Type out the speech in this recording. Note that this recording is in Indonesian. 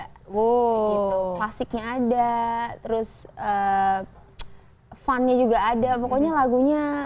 klasiknya ada terus funnya juga ada pokoknya lagunya